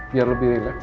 biar lebih rileks